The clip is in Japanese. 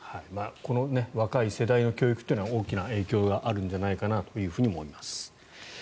この若い世代の教育は大きな影響があるんじゃないかとも思います。